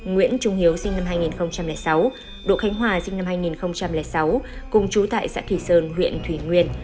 nguyễn trung hiếu sinh năm hai nghìn sáu đỗ khánh hòa sinh năm hai nghìn sáu cùng chú tại xã kỳ sơn huyện thủy nguyên